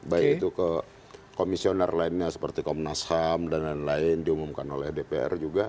baik itu ke komisioner lainnya seperti komnas ham dan lain lain diumumkan oleh dpr juga